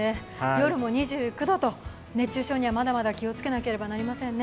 夜も２９度と熱中症にはまだまだ気をつけないと行けないですね。